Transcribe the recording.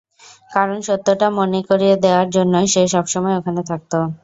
কারন সত্যটা মনে করিয়ে দেয়ার জন্য সে সবসময় ওখানে থাকত।